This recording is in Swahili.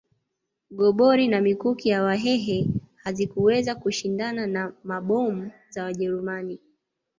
Gobori na mikuki ya Wahehe hazikuweza kushindana na mabomu za Wajerumani